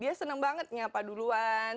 dia senang banget nyapa duluan